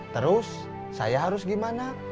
terus saya harus gimana